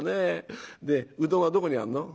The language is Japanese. でうどんはどこにあるの？」。